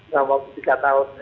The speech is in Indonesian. dua tiga tahun